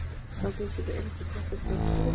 راځی د علم په زده کړه کي سیالي سره وکړو.